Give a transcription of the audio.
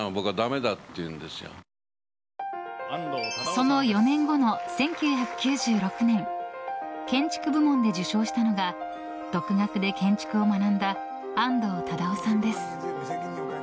その４年後の１９９６年建築部門で受賞したのが独学で建築を学んだ安藤忠雄さんです。